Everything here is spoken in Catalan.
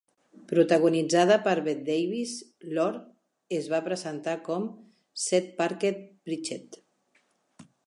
Protagonitzada per Bette Davis, Lord es va presentar com "Seth Parker, Preacher".